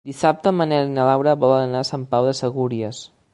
Dissabte en Manel i na Laura volen anar a Sant Pau de Segúries.